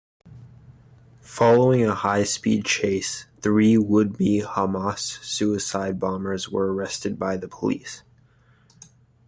Following a high-speed chase, three would-be Hamas suicide bombers were arrested by police.